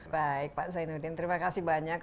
baik pak zainuddin terima kasih banyak